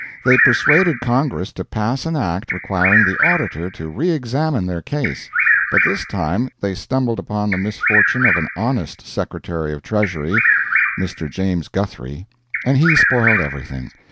They persuaded Congress to pass an act requiring the Auditor to re examine their case. But this time they stumbled upon the misfortune of an honest Secretary of the Treasury (Mr. James Guthrie), and he spoiled everything.